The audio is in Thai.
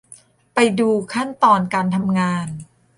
ไปดูขั้นตอนการทำงาน